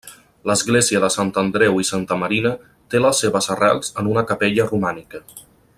L'església de Sant Andreu i Santa Marina té les seves arrels en una capella romànica.